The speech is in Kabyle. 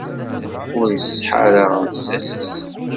Ur iseḥḥa ara lsas-is.